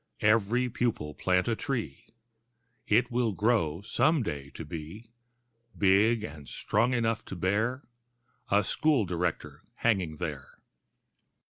Every pupil plant a tree: It will grow some day to be Big and strong enough to bear A School Director hanging there.